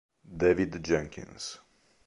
David Jenkins